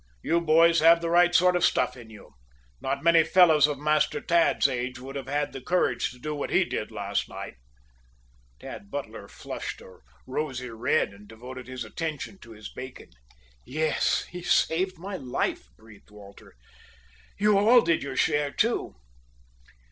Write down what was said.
You boys have the right sort of stuff in you. Not many fellows of Master Tad's age would have had the courage to do what he did last night." Tad Butler flushed a rosy red, and devoted his attention to his bacon. "Yes, he saved my life," breathed Walter. "You all did your share too."